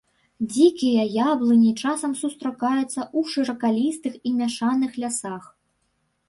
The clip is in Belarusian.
Дзікія яблыні часам сустракаюцца ў шыракалістых і мяшаных лясах.